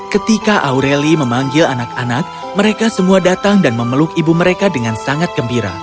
ketika aureli memanggil anak anak mereka semua datang dan memeluk ibu mereka dengan sangat gembira